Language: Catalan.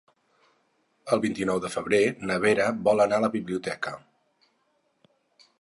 El vint-i-nou de febrer na Vera vol anar a la biblioteca.